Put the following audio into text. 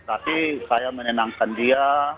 tapi saya menenangkan dia